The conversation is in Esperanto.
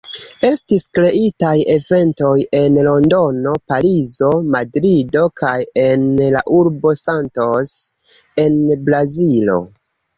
Estis kreitaj eventoj en Londono, Parizo, Madrido kaj en la urbo Santos en Brazilo.